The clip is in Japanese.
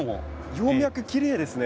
葉脈きれいですね